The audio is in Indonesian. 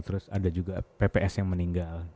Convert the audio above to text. terus ada juga pps yang meninggal